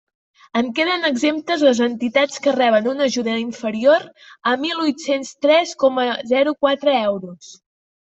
En queden exemptes les entitats que reben una ajuda inferior a mil huit-cents tres coma zero quatre euros.